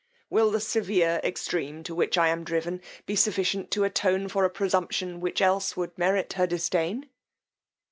Will the severe extreme, to which I am driven, be sufficient to attone for a presumption which else would merit her disdain?